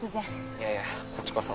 いやいやこっちこそ。